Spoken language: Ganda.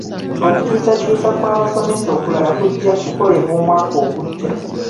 Okukyusakyusa kw'abasomesa okulala kujka kukolebwa omwaka ogujja.